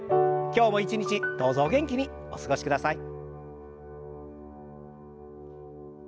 今日も一日どうぞお元気にお過ごしください。